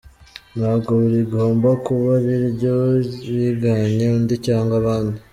Ntabwo rigomba kuba ari iryo wiganye undi cyangwa abandi.